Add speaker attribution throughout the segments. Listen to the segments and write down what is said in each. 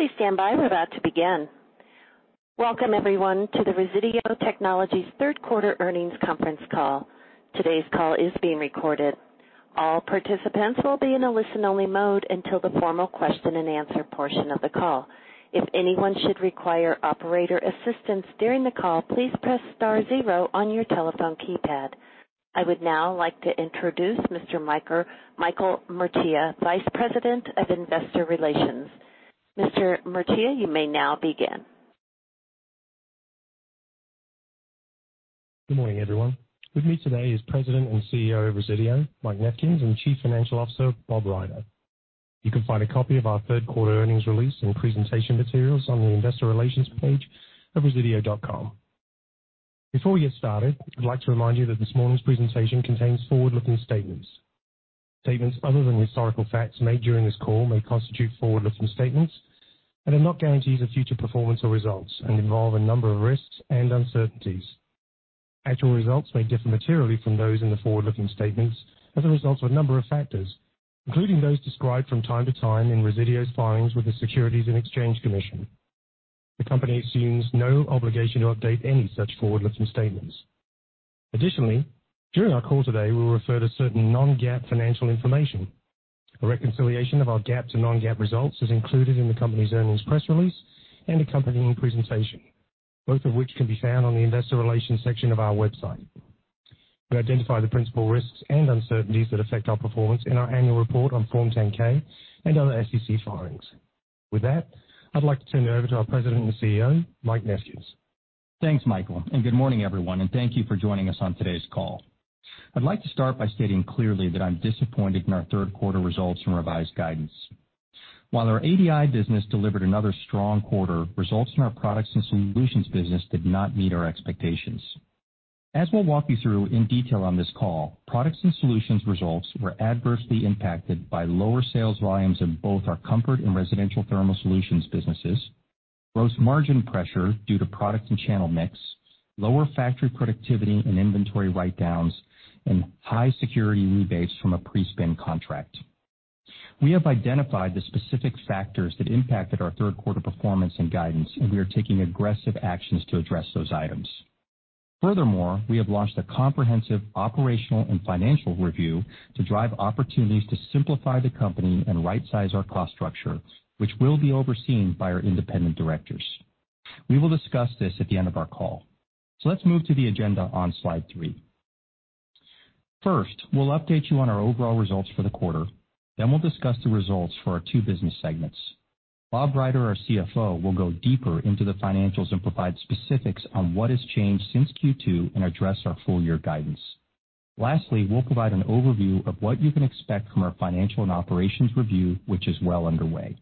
Speaker 1: Please stand by. We're about to begin. Welcome, everyone, to the Resideo Technologies third quarter earnings conference call. Today's call is being recorded. All participants will be in a listen-only mode until the formal question and answer portion of the call. If anyone should require operator assistance during the call, please press star zero on your telephone keypad. I would now like to introduce Mr. Michael Mercieca, Vice President of Investor Relations. Mr. Mercieca, you may now begin.
Speaker 2: Good morning, everyone. With me today is President and CEO of Resideo, Mike Nefkens, and Chief Financial Officer, Bob Ryder. You can find a copy of our third quarter earnings release and presentation materials on the investor relations page at resideo.com. Before we get started, I'd like to remind you that this morning's presentation contains forward-looking statements. Statements other than historical facts made during this call may constitute forward-looking statements and are not guarantees of future performance or results, and involve a number of risks and uncertainties. Actual results may differ materially from those in the forward-looking statements as a result of a number of factors, including those described from time to time in Resideo's filings with the Securities and Exchange Commission. The Company assumes no obligation to update any such forward-looking statements. Additionally, during our call today, we will refer to certain non-GAAP financial information. A reconciliation of our GAAP to non-GAAP results is included in the company's earnings press release and accompanying presentation, both of which can be found on the investor relations section of our website. We identify the principal risks and uncertainties that affect our performance in our annual report on Form 10-K and other SEC filings. With that, I'd like to turn it over to our President and CEO, Mike Nefkens.
Speaker 3: Thanks, Michael, and good morning everyone, and thank you for joining us on today's call. I'd like to start by stating clearly that I'm disappointed in our third quarter results and revised guidance. While our ADI business delivered another strong quarter, results in our Products and Solutions business did not meet our expectations. As we'll walk you through in detail on this call, Products and Solutions results were adversely impacted by lower sales volumes in both our comfort and residential thermal solutions businesses, gross margin pressure due to product and channel mix, lower factory productivity and inventory write-downs, and high security rebates from a pre-spin contract. We have identified the specific factors that impacted our third quarter performance and guidance, and we are taking aggressive actions to address those items. Furthermore, we have launched a comprehensive operational and financial review to drive opportunities to simplify the company and right-size our cost structure, which will be overseen by our independent directors. We will discuss this at the end of our call. Let's move to the agenda on slide three. First, we'll update you on our overall results for the quarter. We'll discuss the results for our two business segments. Bob Ryder, our CFO, will go deeper into the financials and provide specifics on what has changed since Q2 and address our full year guidance. Lastly, we'll provide an overview of what you can expect from our financial and operations review, which is well underway.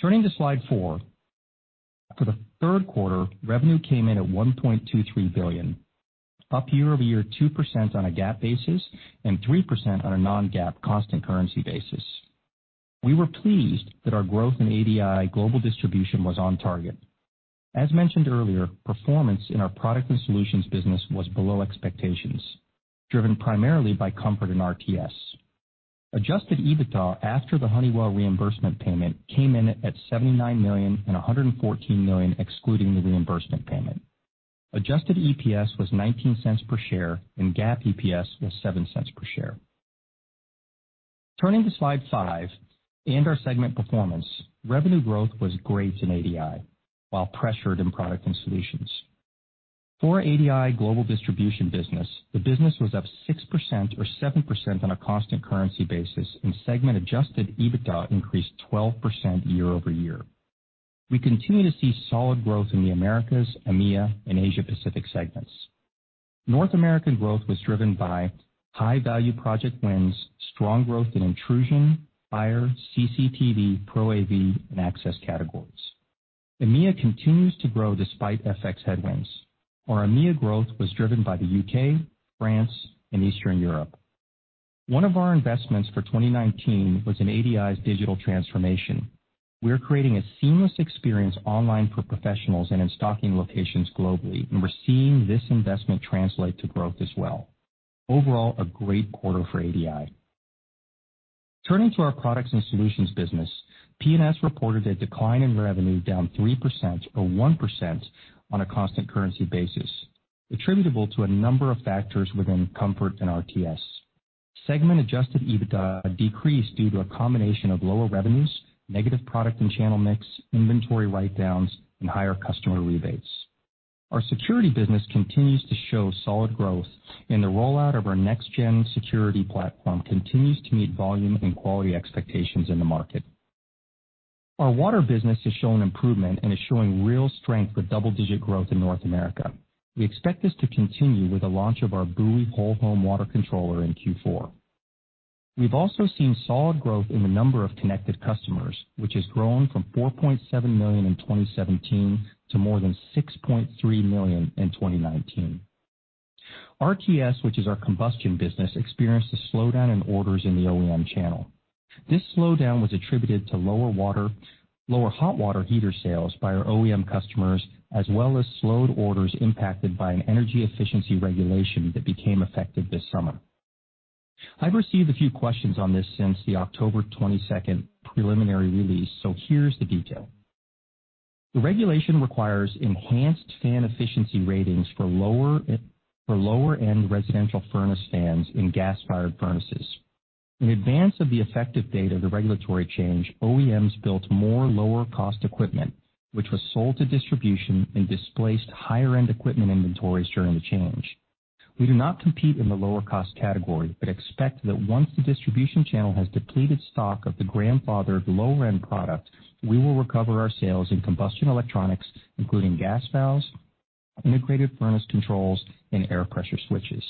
Speaker 3: Turning to slide four. For the third quarter, revenue came in at $1.23 billion, up year-over-year 2% on a GAAP basis and 3% on a non-GAAP constant currency basis. We were pleased that our growth in ADI Global Distribution was on target. As mentioned earlier, performance in our Products & Solutions business was below expectations, driven primarily by comfort and RTS. Adjusted EBITDA after the Honeywell reimbursement payment came in at $79 million and $114 million excluding the reimbursement payment. Adjusted EPS was $0.19 per share, and GAAP EPS was $0.07 per share. Turning to slide five and our segment performance. Revenue growth was great in ADI, while pressured in Products & Solutions. For ADI Global Distribution business, the business was up 6% or 7% on a constant currency basis, and segment adjusted EBITDA increased 12% year-over-year. We continue to see solid growth in the Americas, EMEA, and Asia Pacific segments. North American growth was driven by high-value project wins, strong growth in intrusion, fire, CCTV, Pro AV, and access categories. EMEA continues to grow despite FX headwinds. Our EMEA growth was driven by the U.K., France, and Eastern Europe. One of our investments for 2019 was in ADI's digital transformation. We are creating a seamless experience online for professionals and in stocking locations globally, and we're seeing this investment translate to growth as well. Overall, a great quarter for ADI. Turning to our Products & Solutions business. P&S reported a decline in revenue down 3% or 1% on a constant currency basis, attributable to a number of factors within comfort and RTS. Segment adjusted EBITDA decreased due to a combination of lower revenues, negative product and channel mix, inventory write-downs, and higher customer rebates. Our security business continues to show solid growth, and the rollout of our next-gen security platform continues to meet volume and quality expectations in the market. Our water business has shown improvement and is showing real strength with double-digit growth in North America. We expect this to continue with the launch of our Buoy whole home water controller in Q4. We've also seen solid growth in the number of connected customers, which has grown from 4.7 million in 2017 to more than 6.3 million in 2019. RTS, which is our combustion business, experienced a slowdown in orders in the OEM channel. This slowdown was attributed to lower hot water heater sales by our OEM customers, as well as slowed orders impacted by an energy efficiency regulation that became effective this summer. I've received a few questions on this since the October 22nd preliminary release, so here's the detail. The regulation requires enhanced fan efficiency ratings for lower-end residential furnace fans in gas-fired furnaces. In advance of the effective date of the regulatory change, OEMs built more lower-cost equipment, which was sold to distribution and displaced higher-end equipment inventories during the change. We do not compete in the lower-cost category, but expect that once the distribution channel has depleted stock of the grandfathered lower-end product, we will recover our sales in combustion electronics, including gas valves, integrated furnace controls, and air pressure switches.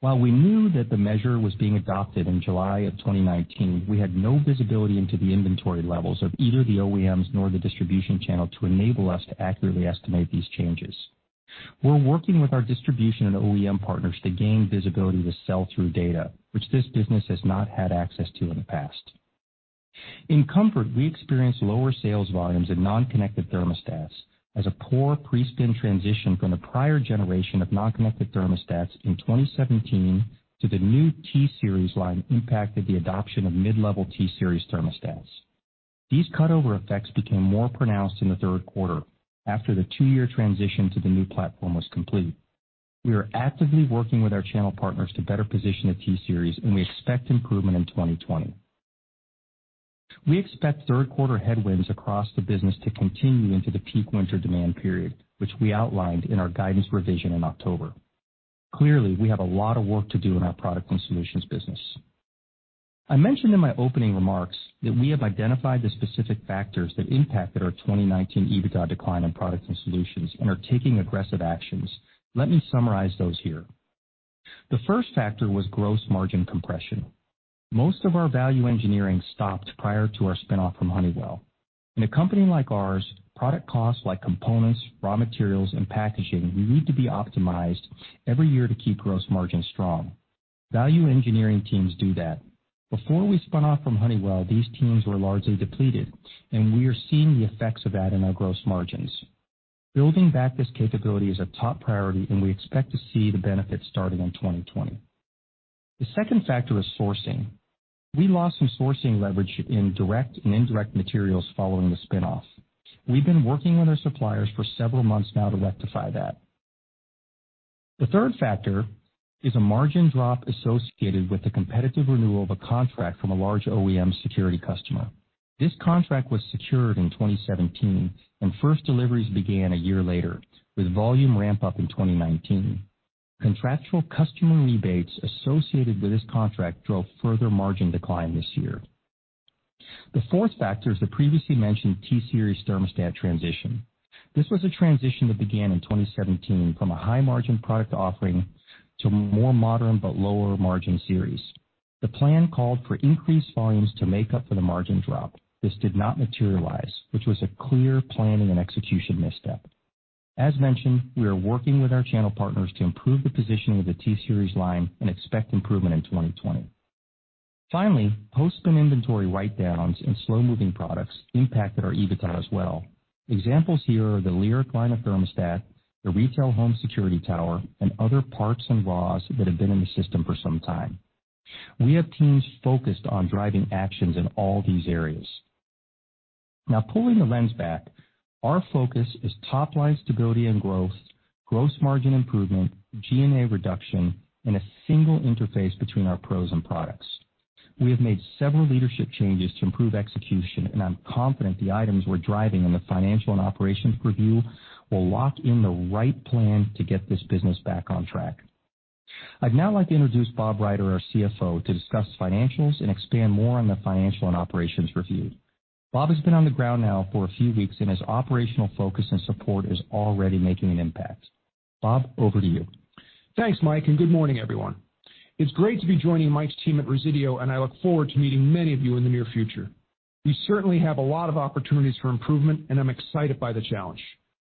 Speaker 3: While we knew that the measure was being adopted in July of 2019, we had no visibility into the inventory levels of either the OEMs nor the distribution channel to enable us to accurately estimate these changes. We're working with our distribution and OEM partners to gain visibility to sell-through data, which this business has not had access to in the past. In Comfort, we experienced lower sales volumes in non-connected thermostats as a poor pre-spin transition from the prior generation of non-connected thermostats in 2017 to the new T Series line impacted the adoption of mid-level T Series thermostats. These cut-over effects became more pronounced in the third quarter after the two-year transition to the new platform was complete. We are actively working with our channel partners to better position the T Series, and we expect improvement in 2020. We expect third quarter headwinds across the business to continue into the peak winter demand period, which we outlined in our guidance revision in October. Clearly, we have a lot of work to do in our Products and Solutions business. I mentioned in my opening remarks that we have identified the specific factors that impacted our 2019 EBITDA decline in Products and Solutions and are taking aggressive actions. Let me summarize those here. The first factor was gross margin compression. Most of our value engineering stopped prior to our spin-off from Honeywell. In a company like ours, product costs like components, raw materials, and packaging need to be optimized every year to keep gross margins strong. Value engineering teams do that. Before we spun off from Honeywell, these teams were largely depleted, and we are seeing the effects of that in our gross margins. Building back this capability is a top priority, and we expect to see the benefits starting in 2020. The second factor is sourcing. We lost some sourcing leverage in direct and indirect materials following the spin-off. We've been working with our suppliers for several months now to rectify that. The third factor is a margin drop associated with the competitive renewal of a contract from a large OEM security customer. This contract was secured in 2017, and first deliveries began a year later, with volume ramp-up in 2019. Contractual customer rebates associated with this contract drove further margin decline this year. The fourth factor is the previously mentioned T Series thermostat transition. This was a transition that began in 2017 from a high-margin product offering to a more modern but lower-margin series. The plan called for increased volumes to make up for the margin drop. This did not materialize, which was a clear planning and execution misstep. As mentioned, we are working with our channel partners to improve the positioning of the T Series line and expect improvement in 2020. Finally, post-spin inventory write-downs and slow-moving products impacted our EBITDA as well. Examples here are the Lyric line of thermostat, the retail home security tower, and other parts and [RAAS] that have been in the system for some time. We have teams focused on driving actions in all these areas. Now pulling the lens back, our focus is top-line stability and growth, gross margin improvement, G&A reduction, and a single interface between our pros and products. We have made several leadership changes to improve execution, and I'm confident the items we're driving in the financial and operations review will lock in the right plan to get this business back on track. I'd now like to introduce Bob Ryder, our CFO, to discuss financials and expand more on the financial and operations review. Bob has been on the ground now for a few weeks, and his operational focus and support is already making an impact. Bob, over to you.
Speaker 4: Thanks, Mike, and good morning, everyone. It's great to be joining Mike's team at Resideo, and I look forward to meeting many of you in the near future. We certainly have a lot of opportunities for improvement, and I'm excited by the challenge.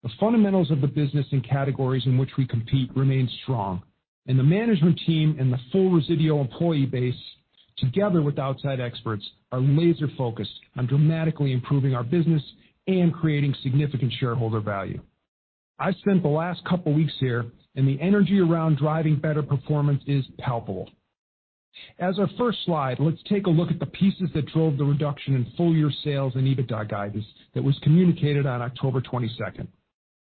Speaker 4: The fundamentals of the business and categories in which we compete remain strong, and the management team and the full Resideo employee base, together with outside experts, are laser-focused on dramatically improving our business and creating significant shareholder value. I've spent the last couple of weeks here, and the energy around driving better performance is palpable. As our first slide, let's take a look at the pieces that drove the reduction in full-year sales and EBITDA guidance that was communicated on October 22nd.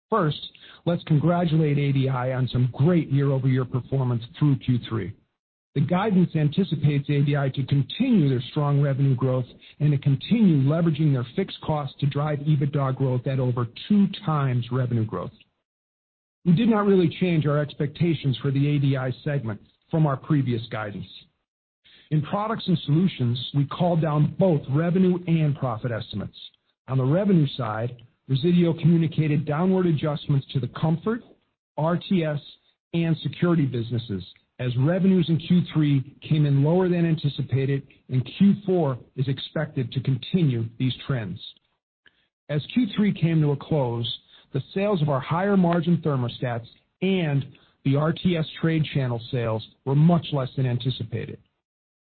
Speaker 4: First, let's congratulate ADI on some great year-over-year performance through Q3. The guidance anticipates ADI to continue their strong revenue growth and to continue leveraging their fixed cost to drive EBITDA growth at over two times revenue growth. We did not really change our expectations for the ADI segment from our previous guidance. In Products and Solutions, we called down both revenue and profit estimates. On the revenue side, Resideo communicated downward adjustments to the Comfort, RTS, and Security businesses as revenues in Q3 came in lower than anticipated, and Q4 is expected to continue these trends. As Q3 came to a close, the sales of our higher-margin thermostats and the RTS trade channel sales were much less than anticipated.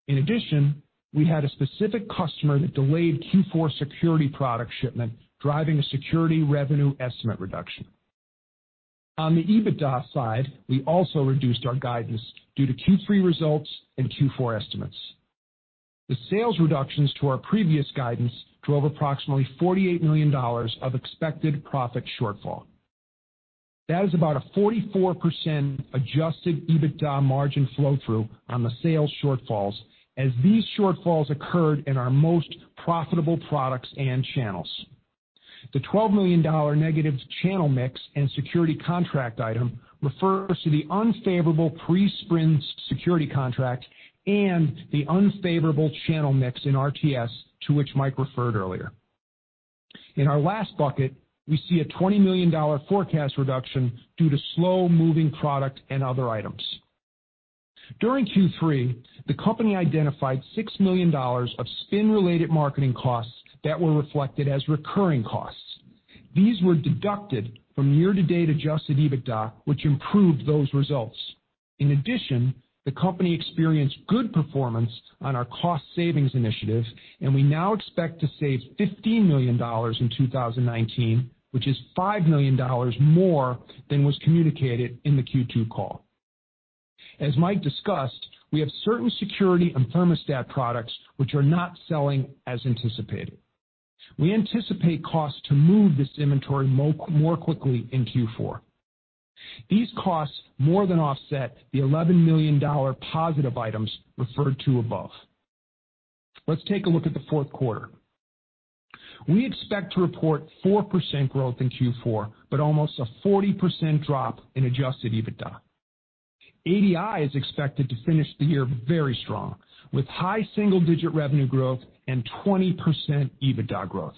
Speaker 4: In addition, we had a specific customer that delayed Q4 security product shipment, driving a security revenue estimate reduction. On the EBITDA side, we also reduced our guidance due to Q3 results and Q4 estimates. The sales reductions to our previous guidance drove approximately $48 million of expected profit shortfall. That is about a 44% adjusted EBITDA margin flow-through on the sales shortfalls as these shortfalls occurred in our most profitable products and channels. The $12 million negative channel mix and security contract item refers to the unfavorable pre-spin security contract and the unfavorable channel mix in RTS to which Mike referred earlier. In our last bucket, we see a $20 million forecast reduction due to slow-moving product and other items. During Q3, the company identified $6 million of spin-related marketing costs that were reflected as recurring costs. These were deducted from year-to-date adjusted EBITDA, which improved those results. In addition, the company experienced good performance on our cost savings initiative, and we now expect to save $15 million in 2019, which is $5 million more than was communicated in the Q2 call. As Mike discussed, we have certain security and thermostat products which are not selling as anticipated. We anticipate costs to move this inventory more quickly in Q4. These costs more than offset the $11 million positive items referred to above. Let's take a look at the fourth quarter. We expect to report 4% growth in Q4, almost a 40% drop in adjusted EBITDA. ADI is expected to finish the year very strong with high single-digit revenue growth and 20% EBITDA growth.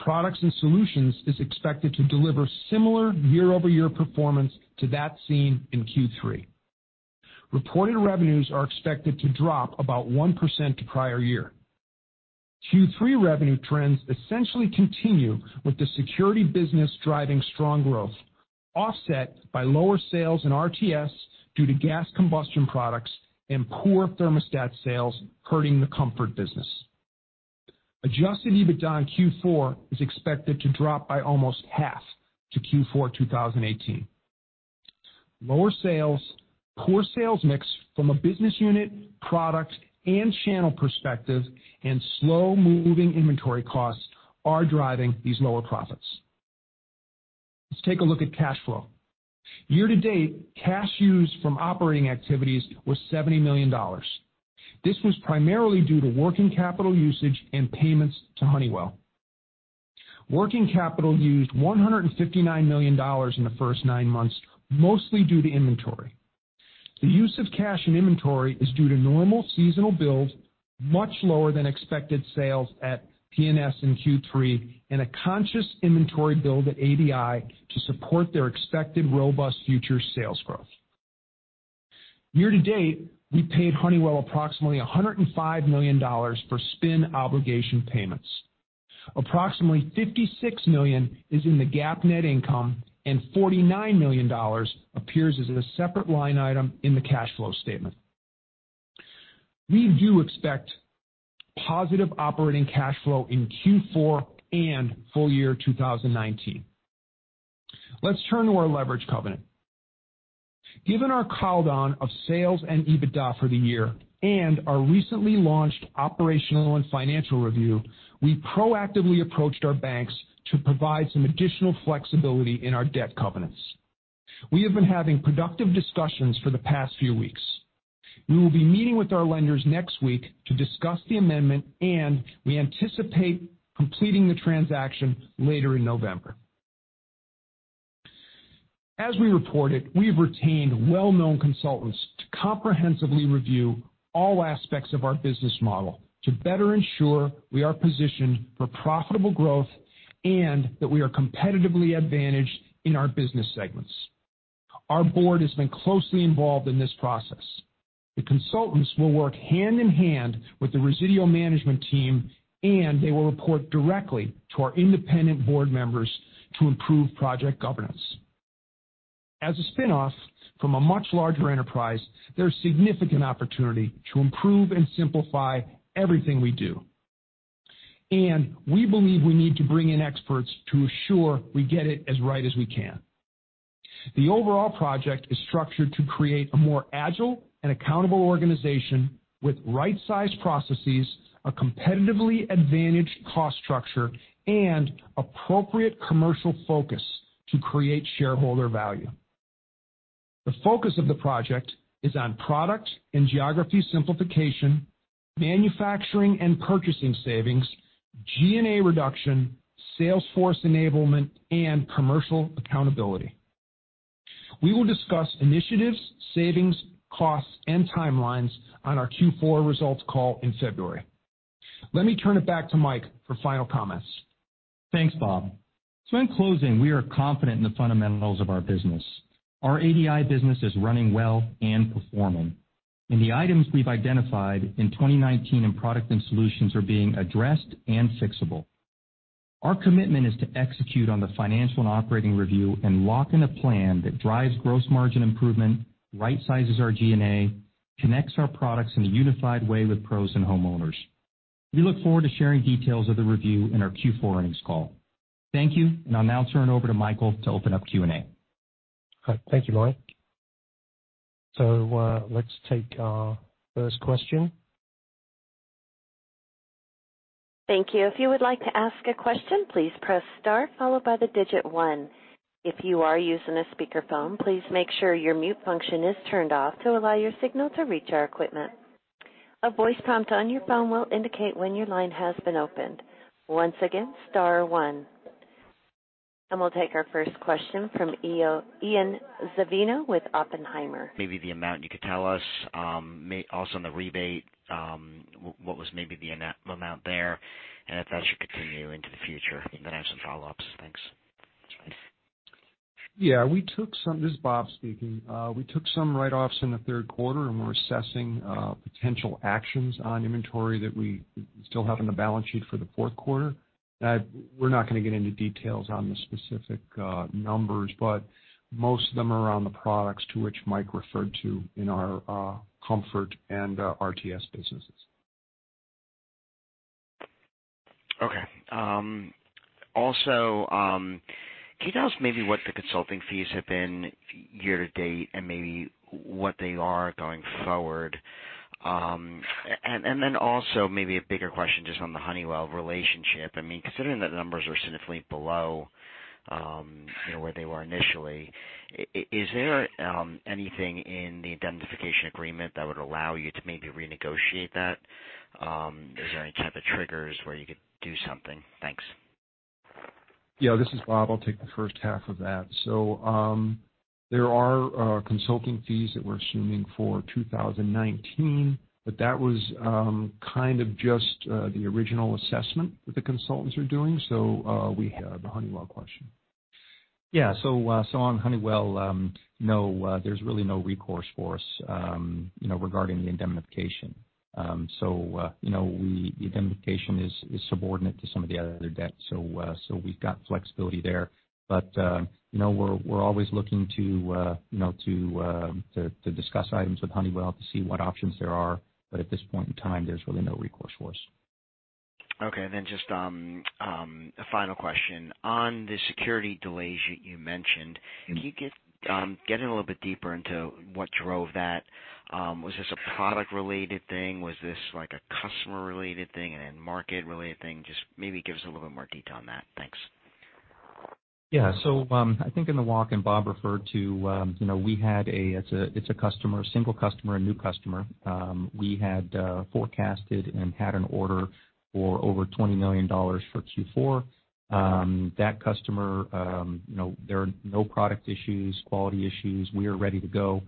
Speaker 4: Products and Solutions is expected to deliver similar year-over-year performance to that seen in Q3. Reported revenues are expected to drop about 1% to prior year. Q3 revenue trends essentially continue, with the security business driving strong growth, offset by lower sales in RTS due to gas combustion products and poor thermostat sales hurting the comfort business. Adjusted EBITDA in Q4 is expected to drop by almost half to Q4 2018. Lower sales, poor sales mix from a business unit, product, and channel perspective, and slow-moving inventory costs are driving these lower profits. Let's take a look at cash flow. Year-to-date, cash used from operating activities was $70 million. This was primarily due to working capital usage and payments to Honeywell. Working capital used $159 million in the first nine months, mostly due to inventory. The use of cash and inventory is due to normal seasonal build, much lower than expected sales at P&S in Q3, and a conscious inventory build at ADI to support their expected robust future sales growth. Year-to-date, we paid Honeywell approximately $105 million for spin obligation payments. Approximately $56 million is in the GAAP net income, and $49 million appears as a separate line item in the cash flow statement. We do expect positive operating cash flow in Q4 and full year 2019. Let's turn to our leverage covenant. Given our call-down of sales and EBITDA for the year and our recently launched operational and financial review, we proactively approached our banks to provide some additional flexibility in our debt covenants. We have been having productive discussions for the past few weeks. We will be meeting with our lenders next week to discuss the amendment, and we anticipate completing the transaction later in November. As we reported, we've retained well-known consultants to comprehensively review all aspects of our business model to better ensure we are positioned for profitable growth and that we are competitively advantaged in our business segments. Our board has been closely involved in this process. The consultants will work hand-in-hand with the Resideo management team, and they will report directly to our independent board members to improve project governance. As a spin-off from a much larger enterprise, there's significant opportunity to improve and simplify everything we do. We believe we need to bring in experts to assure we get it as right as we can. The overall project is structured to create a more agile and accountable organization with right-sized processes, a competitively advantaged cost structure, and appropriate commercial focus to create shareholder value. The focus of the project is on product and geography simplification, manufacturing and purchasing savings, G&A reduction, sales force enablement, and commercial accountability. We will discuss initiatives, savings, costs, and timelines on our Q4 results call in February. Let me turn it back to Mike for final comments.
Speaker 3: Thanks, Bob. In closing, we are confident in the fundamentals of our business. Our ADI business is running well and performing, and the items we've identified in 2019 in Products & Solutions are being addressed and fixable. Our commitment is to execute on the financial and operating review and lock in a plan that drives gross margin improvement, right-sizes our G&A, connects our products in a unified way with pros and homeowners. We look forward to sharing details of the review in our Q4 earnings call. Thank you, and I'll now turn over to Michael to open up Q&A.
Speaker 2: All right. Thank you, Mike. Let's take our first question.
Speaker 1: Thank you. If you would like to ask a question, please press star followed by the digit one. If you are using a speakerphone, please make sure your mute function is turned off to allow your signal to reach our equipment. A voice prompt on your phone will indicate when your line has been opened. Once again, star one. We'll take our first question from Ian Zaffino with Oppenheimer.
Speaker 5: Maybe the amount you could tell us? Also on the rebate, what was maybe the amount there, and if that should continue into the future? I have some follow-ups. Thanks.
Speaker 4: Yeah. This is Bob speaking. We took some write-offs in the third quarter, and we're assessing potential actions on inventory that we still have on the balance sheet for the fourth quarter. We're not going to get into details on the specific numbers, but most of them are on the products to which Mike referred to in our comfort and RTS businesses.
Speaker 5: Okay. Also, can you tell us maybe what the consulting fees have been year to date and maybe what they are going forward? Maybe a bigger question just on the Honeywell relationship. Considering that the numbers are significantly below where they were initially, is there anything in the indemnification agreement that would allow you to maybe renegotiate that? Is there any type of triggers where you could do something? Thanks.
Speaker 4: Yeah, this is Bob. I'll take the first half of that. There are consulting fees that we're assuming for 2019, but that was kind of just the original assessment that the consultants are doing. We have the Honeywell question.
Speaker 3: Yeah. On Honeywell, no, there's really no recourse for us regarding the indemnification. The indemnification is subordinate to some of the other debt. We're always looking to discuss items with Honeywell to see what options there are. At this point in time, there's really no recourse for us.
Speaker 5: Okay, just a final question. On the security delays you mentioned. Can you get a little bit deeper into what drove that? Was this a product-related thing? Was this a customer-related thing and market-related thing? Just maybe give us a little bit more detail on that. Thanks.
Speaker 3: Yeah. I think in the walk and Bob referred to we had a single customer, a new customer. We had forecasted and had an order for over $20 million for Q4. That customer, there are no product issues, quality issues. We are ready to go.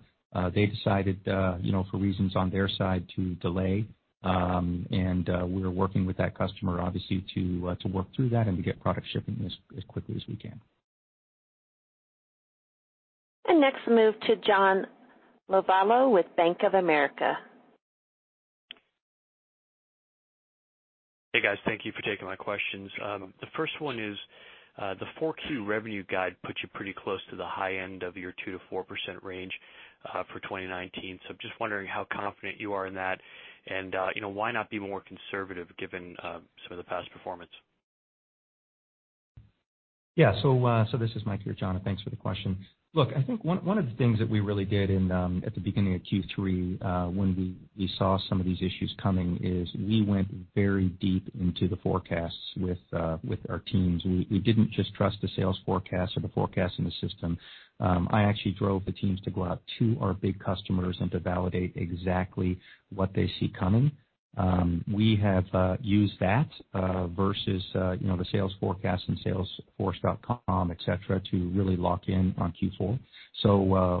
Speaker 3: They decided, for reasons on their side, to delay. We're working with that customer, obviously, to work through that and to get product shipping as quickly as we can.
Speaker 1: Next, move to John Lovallo with Bank of America.
Speaker 6: Hey, guys. Thank you for taking my questions. The first one is, the 4Q revenue guide puts you pretty close to the high end of your 2%-4% range for 2019. Just wondering how confident you are in that and why not be more conservative given some of the past performance?
Speaker 3: Yeah. This is Mike here, John, and thanks for the question. Look, I think one of the things that we really did at the beginning of Q3 when we saw some of these issues coming is we went very deep into the forecasts with our teams. We didn't just trust the sales forecast or the forecast in the system. I actually drove the teams to go out to our big customers and to validate exactly what they see coming. We have used that versus the sales forecast and salesforce.com, et cetera, to really lock in on Q4.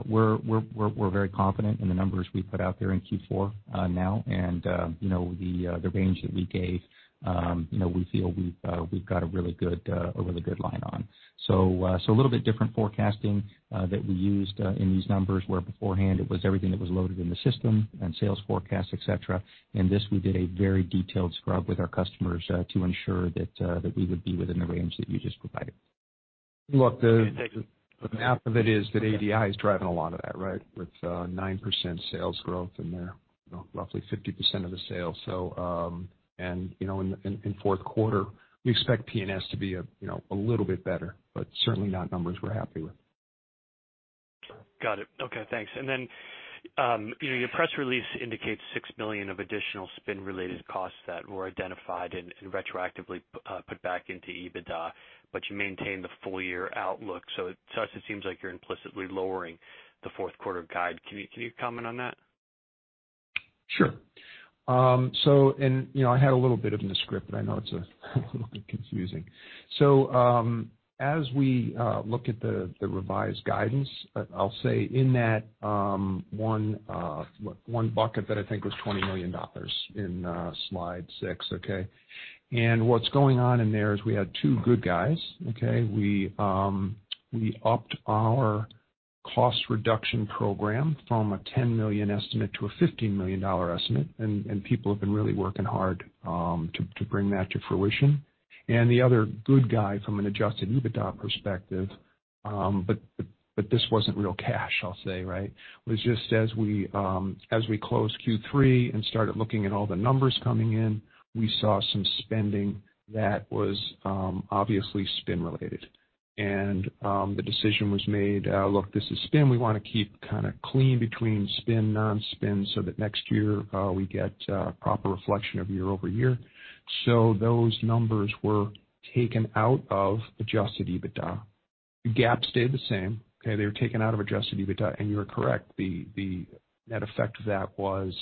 Speaker 3: We're very confident in the numbers we put out there in Q4 now. The range that we gave, we feel we've got a really good line on. A little bit different forecasting that we used in these numbers where beforehand it was everything that was loaded in the system and sales forecast, et cetera. In this, we did a very detailed scrub with our customers to ensure that we would be within the range that you just provided.
Speaker 4: Look, the half of it is that ADI is driving a lot of that, right? With 9% sales growth and they're roughly 50% of the sale. In fourth quarter, we expect P&S to be a little bit better, but certainly not numbers we're happy with.
Speaker 6: Got it. Okay, thanks. Your press release indicates $6 million of additional spin-related costs that were identified and retroactively put back into EBITDA, but you maintained the full-year outlook. To us, it seems like you're implicitly lowering the fourth quarter guide. Can you comment on that?
Speaker 4: Sure. I had a little bit of it in the script, but I know it's a little bit confusing. As we look at the revised guidance, I'll say in that one bucket that I think was $20 million in slide six, okay? What's going on in there is we had two good guys, okay? We upped our cost reduction program from a $10 million estimate to a $15 million estimate, and people have been really working hard to bring that to fruition. The other good guy from an adjusted EBITDA perspective. But this wasn't real cash, I'll say, right? It was just as we closed Q3 and started looking at all the numbers coming in, we saw some spending that was obviously spin related. The decision was made, look, this is spin. We want to keep kind of clean between spin, non-spin, so that next year we get a proper reflection of year-over-year. Those numbers were taken out of adjusted EBITDA. The GAAP stayed the same. Okay? They were taken out of adjusted EBITDA, and you are correct, the net effect of that was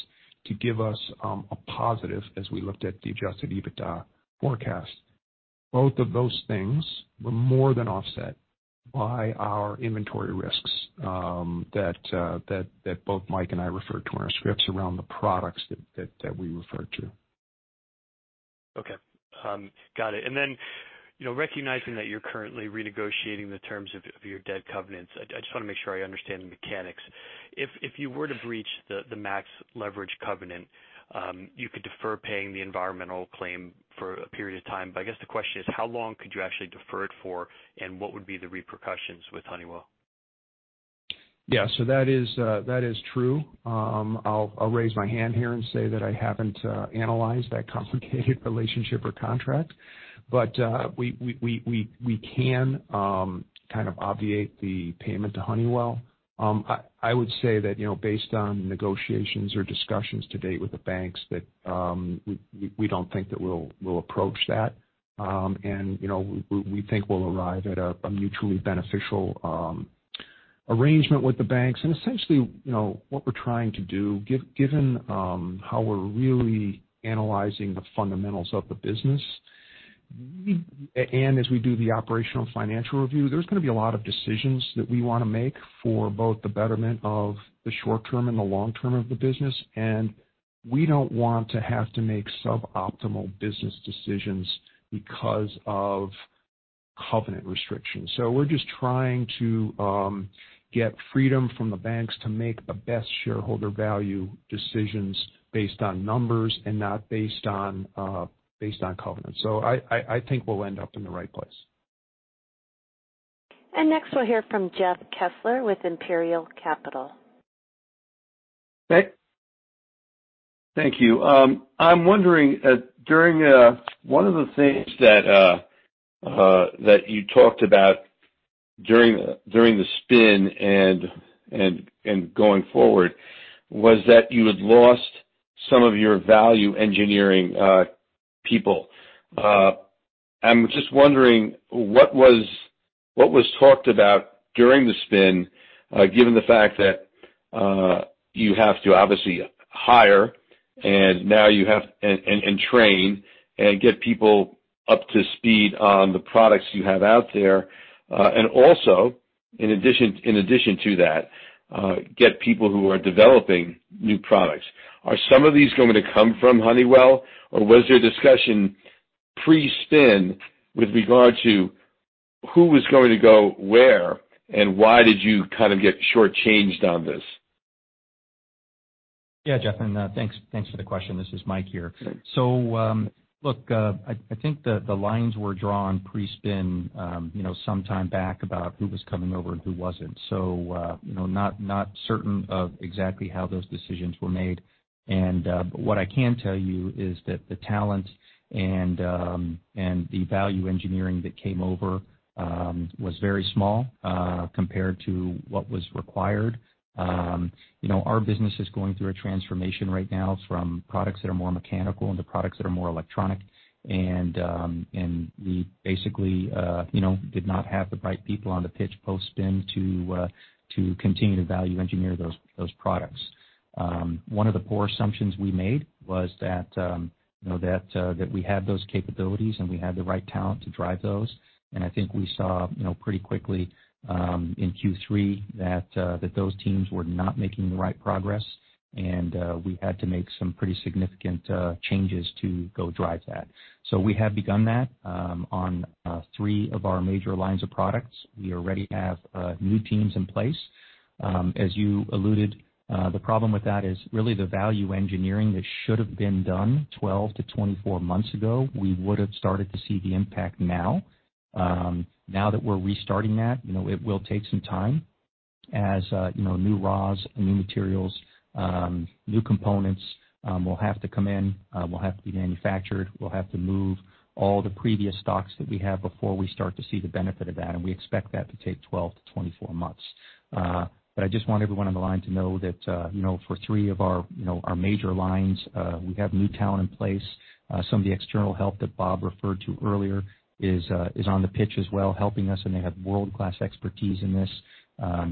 Speaker 4: to give us a positive as we looked at the adjusted EBITDA forecast. Both of those things were more than offset by our inventory risks that both Mike and I referred to in our scripts around the products that we referred to.
Speaker 6: Okay. Got it. Recognizing that you're currently renegotiating the terms of your debt covenants, I just want to make sure I understand the mechanics. If you were to breach the max leverage covenant, you could defer paying the environmental claim for a period of time. I guess the question is, how long could you actually defer it for, and what would be the repercussions with Honeywell?
Speaker 4: Yeah, that is true. I'll raise my hand here and say that I haven't analyzed that complicated relationship or contract. We can kind of obviate the payment to Honeywell. I would say that based on negotiations or discussions to date with the banks, that we don't think that we'll approach that. We think we'll arrive at a mutually beneficial arrangement with the banks. Essentially, what we're trying to do, given how we're really analyzing the fundamentals of the business, and as we do the operational financial review, there's going to be a lot of decisions that we want to make for both the betterment of the short term and the long term of the business, and we don't want to have to make suboptimal business decisions because of covenant restrictions. We're just trying to get freedom from the banks to make the best shareholder value decisions based on numbers and not based on covenants. I think we'll end up in the right place.
Speaker 1: Next, we'll hear from Jeff Kessler with Imperial Capital.
Speaker 4: Hey.
Speaker 7: Thank you. I'm wondering, during one of the things that you talked about during the spin and going forward was that you had lost some of your value engineering people. I'm just wondering, what was talked about during the spin, given the fact that you have to obviously hire and train and get people up to speed on the products you have out there, and also in addition to that, get people who are developing new products. Are some of these going to come from Honeywell, or was there discussion pre-spin with regard to who was going to go where, and why did you kind of get short-changed on this?
Speaker 3: Yeah, Jeff, thanks for the question. This is Mike here. Look, I think the lines were drawn pre-spin some time back about who was coming over and who wasn't. What I can tell you is that the talent and the value engineering that came over was very small compared to what was required. Our business is going through a transformation right now from products that are more mechanical into products that are more electronic. We basically did not have the right people on the pitch post-spin to continue to value engineer those products. One of the poor assumptions we made was that we had those capabilities, and we had the right talent to drive those. I think we saw pretty quickly in Q3 that those teams were not making the right progress, and we had to make some pretty significant changes to go drive that. We have begun that on three of our major lines of products. We already have new teams in place. As you alluded, the problem with that is really the value engineering that should have been done 12 to 24 months ago, we would have started to see the impact now. Now that we're restarting that, it will take some time as new RAAS and new materials, new components will have to come in, will have to be manufactured. We'll have to move all the previous stocks that we have before we start to see the benefit of that, and we expect that to take 12 to 24 months. I just want everyone on the line to know that for three of our major lines, we have new talent in place. Some of the external help that Bob referred to earlier is on the pitch as well, helping us, and they have world-class expertise in this.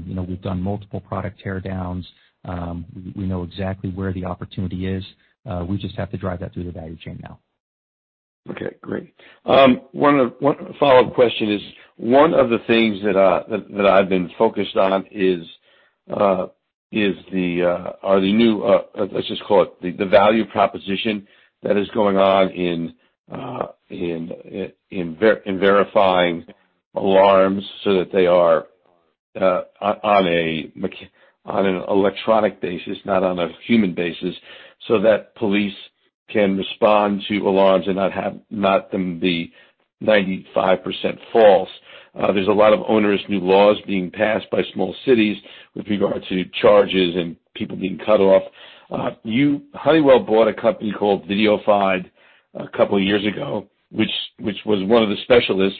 Speaker 3: We've done multiple product teardowns. We know exactly where the opportunity is. We just have to drive that through the value chain now.
Speaker 7: Okay, great. One follow-up question is, one of the things that I've been focused on are the new, let's just call it the value proposition that is going on in verifying alarms so that they are on an electronic basis, not on a human basis, so that police can respond to alarms and not them be 95% false. There's a lot of onerous new laws being passed by small cities with regard to charges and people being cut off. Honeywell bought a company called Videofied a couple of years ago, which was one of the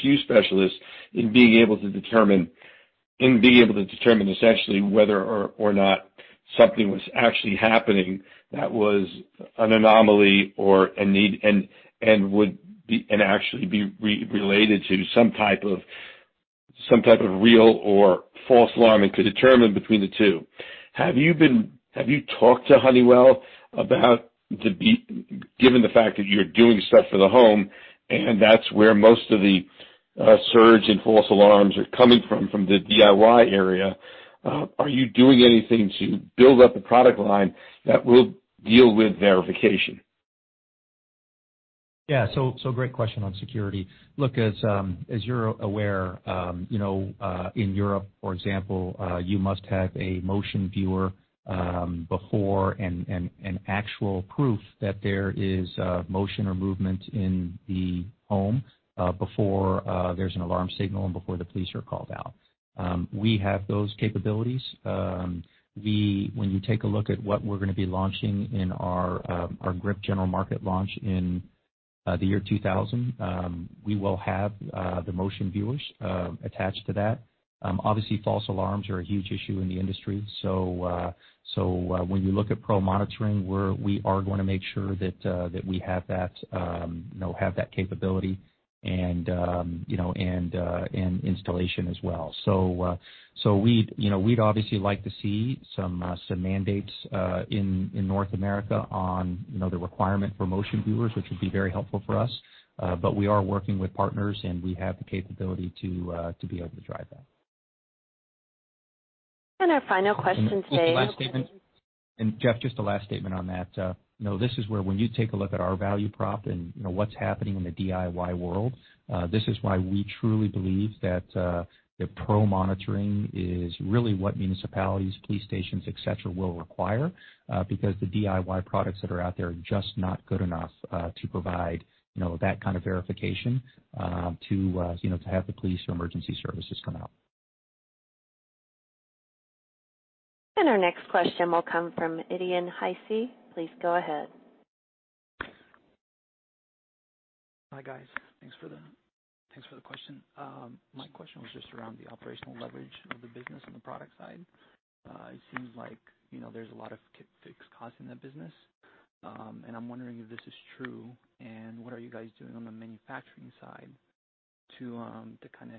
Speaker 7: few specialists in being able to determine, essentially, whether or not something was actually happening that was an anomaly and actually be related to some type of real or false alarm and to determine between the two. Have you talked to Honeywell about, given the fact that you're doing stuff for the home and that's where most of the surge in false alarms are coming from the DIY area, are you doing anything to build up a product line that will deal with verification?
Speaker 3: Yeah. Great question on security. Look, as you're aware, in Europe, for example, you must have a motion viewer before and an actual proof that there is motion or movement in the home before there's an alarm signal and before the police are called out. We have those capabilities. When you take a look at what we're going to be launching in our [GRIP general market launch in the year 2020, we will have the motion viewers attached to that. Obviously, false alarms are a huge issue in the industry. When you look at pro monitoring, we are going to make sure that we have that capability and installation as well. We'd obviously like to see some mandates in North America on the requirement for motion viewers, which would be very helpful for us, but we are working with partners, and we have the capability to be able to drive that.
Speaker 1: Our final question today.
Speaker 3: Jeff, just a last statement on that. This is where when you take a look at our value prop and what's happening in the DIY world, this is why we truly believe that the pro monitoring is really what municipalities, police stations, et cetera, will require, because the DIY products that are out there are just not good enough to provide that kind of verification to have the police or emergency services come out.
Speaker 1: Our next question will come from Idian Heisi. Please go ahead.
Speaker 8: Hi, guys. Thanks for the question. My question was just around the operational leverage of the business on the product side. It seems like there's a lot of fixed costs in that business. I'm wondering if this is true, and what are you guys doing on the manufacturing side to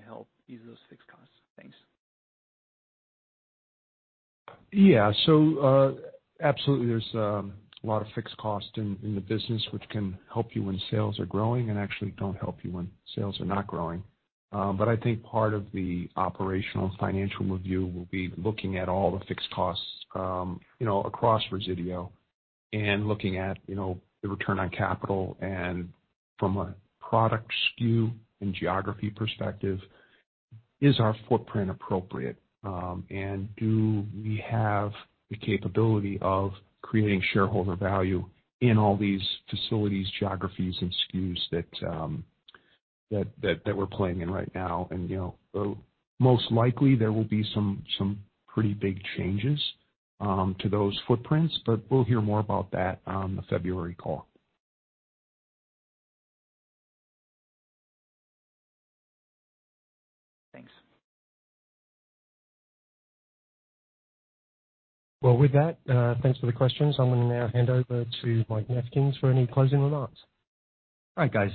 Speaker 8: help ease those fixed costs? Thanks.
Speaker 4: Yeah. Absolutely, there's a lot of fixed cost in the business, which can help you when sales are growing and actually don't help you when sales are not growing. I think part of the operational and financial review will be looking at all the fixed costs across Resideo and looking at the return on capital and from a product SKU and geography perspective, is our footprint appropriate? Do we have the capability of creating shareholder value in all these facilities, geographies, and SKUs that we're playing in right now? Most likely, there will be some pretty big changes to those footprints, but we'll hear more about that on the February call.
Speaker 8: Thanks.
Speaker 2: Well, with that, thanks for the questions. I'm going to now hand over to Mike Nefkens for any closing remarks.
Speaker 3: All right, guys.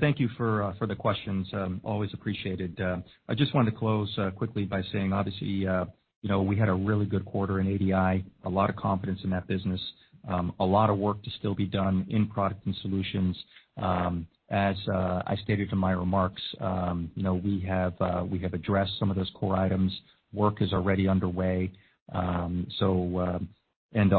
Speaker 3: Thank you for the questions. Always appreciated. I just wanted to close quickly by saying obviously, we had a really good quarter in ADI, a lot of confidence in that business. A lot of work to still be done in Products & Solutions. As I stated in my remarks, we have addressed some of those core items. Work is already underway.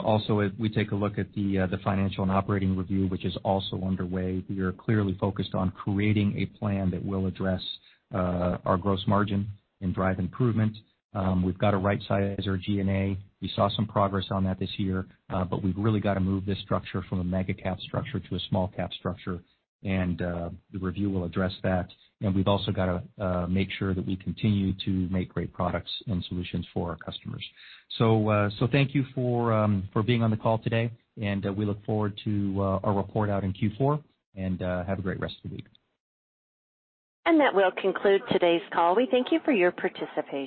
Speaker 3: Also, as we take a look at the financial and operating review, which is also underway, we are clearly focused on creating a plan that will address our gross margin and drive improvement. We've got to right-size our G&A. We saw some progress on that this year, but we've really got to move this structure from a mega cap structure to a small cap structure, and the review will address that. We've also got to make sure that we continue to make great products and solutions for our customers. Thank you for being on the call today, and we look forward to our report out in Q4. Have a great rest of the week.
Speaker 1: That will conclude today's call. We thank you for your participation.